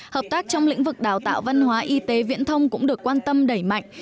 hợp tác trong lĩnh vực đào tạo văn hóa y tế viễn thông cũng được quan tâm đẩy mạnh